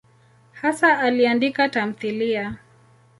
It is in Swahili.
Hasa aliandika tamthiliya.